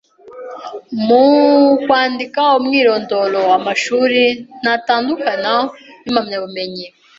Mu kwandika umwirondoro, amashuri ntatandukana n’impamyabumenyi